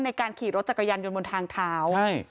ในการขี่รถจักรยานยนต์บนทางเท้า